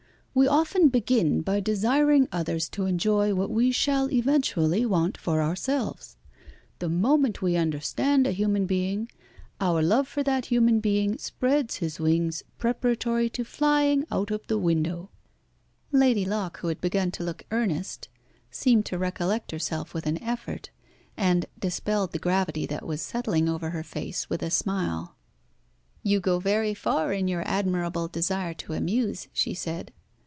We often begin by desiring others to enjoy what we shall eventually want for ourselves. The moment we understand a human being, our love for that human being spreads his wings preparatory to flying out of the window." Lady Locke, who had begun to look earnest, seemed to recollect herself with an effort, and dispelled the gravity that was settling over her face with a smile. "You go very far in your admirable desire to amuse," she said.